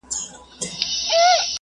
د زخمونو پاکول او پټول مهم دي.